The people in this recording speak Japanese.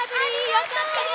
よかったよ！